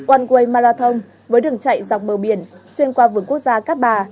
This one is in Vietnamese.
one way marathon với đường chạy dọc bờ biển xuyên qua vườn quốc gia các bà